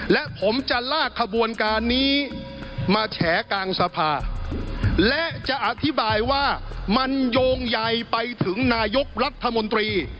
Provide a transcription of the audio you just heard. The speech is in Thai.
และผมจะลากขบวนการนี้มาแฉกลางสภาและจะอธิบายว่ามันโยงใยไปถึงนายกรัฐมนตรี